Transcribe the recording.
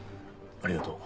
ありがとう。